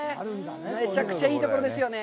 めちゃくちゃいいところですよね。